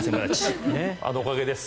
あのおかげです。